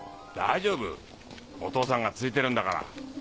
大丈夫お父さんがついてるんだから。